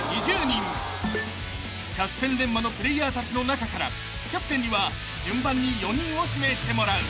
［百戦錬磨のプレーヤーたちの中からキャプテンには順番に４人を指名してもらう］